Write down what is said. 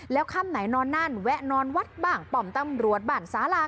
แล้วค่ำไหนนอนนั่นแวะนอนวัดบ้างป่อมตำรวจบ้านสาลา